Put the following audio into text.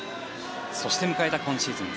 そして迎えた今シーズン